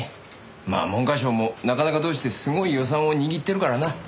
まあ文科省もなかなかどうしてすごい予算を握ってるからな。